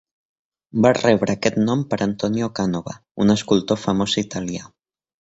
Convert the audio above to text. Va rebre aquest nom per Antonio Canova, un escultor famós italià.